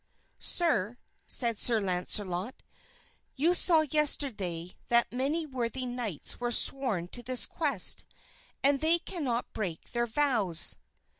"Sir," said Sir Launcelot, "you saw yesterday that many worthy knights were sworn to this quest, and they cannot break their vows."